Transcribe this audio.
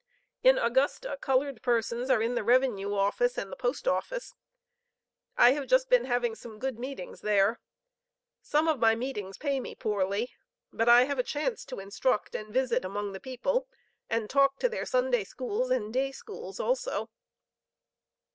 In Augusta colored persons are in the Revenue Office and Post Office. I have just been having some good meetings there. Some of my meetings pay me poorly; but I have a chance to instruct and visit among the people and talk to their Sunday schools and day schools also.